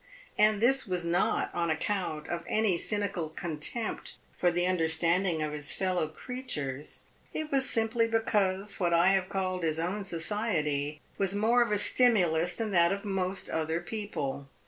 And this was not on account of any cynical contempt for the understanding of his fellow creatures: it was simply because what I have called his own society was more of a stimulus than that of most other people.